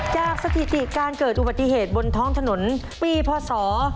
สถิติการเกิดอุบัติเหตุบนท้องถนนปีพศ๒๕